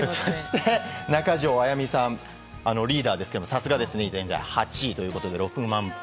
中条あやみさん、リーダーですが８位ということで６万歩。